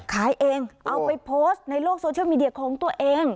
ขายเองเอาไปโพสต์ในโลกโซเชียลมีเดียของตัวเอง